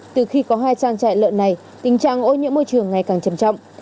từ khi có hai trang trại lợn này tình trạng ô nhiễm môi trường ngày càng trầm trọng